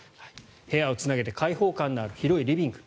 部屋をつなげて開放感のある広いリビング。